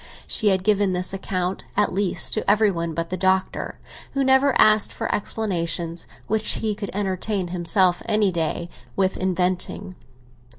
She had given this account, at least, to every one but the Doctor, who never asked for explanations which he could entertain himself any day with inventing.